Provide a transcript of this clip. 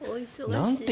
なんて